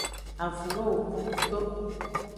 Avun lo woko ngto.